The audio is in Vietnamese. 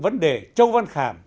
vấn đề châu văn khảm